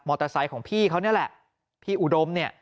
เตอร์ไซค์ของพี่เขานี่แหละพี่อุดมเนี่ย